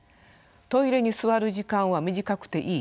トイレに座る時間は短くていい。